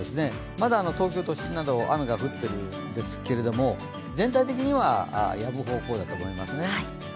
まだ東京都心など雨が降っているんですけれども、全体的にはやむ方向だと思いますね。